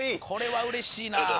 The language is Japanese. これはうれしいな。